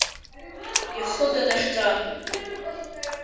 Ихы данахьӡа…